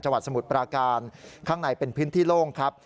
สมุทรปราการข้างในเป็นพื้นที่โล่งครับ